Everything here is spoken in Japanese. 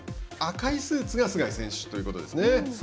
赤いスーツが須貝選手ということですね。